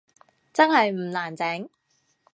真係唔難整？